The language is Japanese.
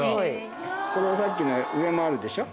さっきの上もあるでしょ